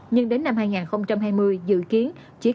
nhưng đến năm hai nghìn hai mươi dự kiến